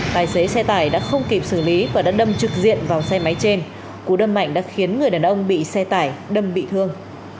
tài xế xe tải đã không kịp xử lý và đã đâm trực diện vào xe máy trên cú đâm mạnh đã khiến người đàn ông bị xe tải đâm bị thương